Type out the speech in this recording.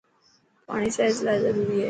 پاڻي صحت لاءِ ضروري هي.